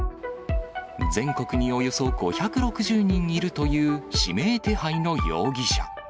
全国におよそ５６０人いるという指名手配の容疑者。